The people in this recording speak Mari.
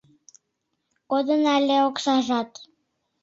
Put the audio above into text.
Кодын але оксажат...